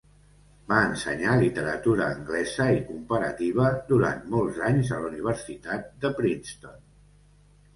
Va ensenyar literatura anglesa i comparativa durant molts anys a la Universitat de Princeton.